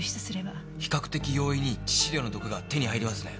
比較的容易に致死量の毒が手に入りますね。